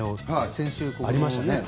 先週、ありましたよね。